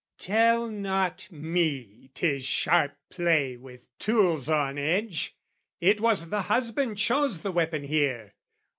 Tell not me 'tis sharp play with tools on edge! It was the husband chose the weapon here.